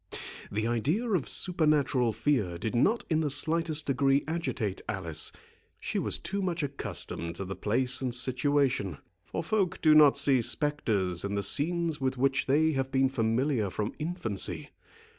The idea of supernatural fear did not in the slightest degree agitate Alice. She was too much accustomed to the place and situation; for folk do not see spectres in the scenes with which they have been familiar from infancy.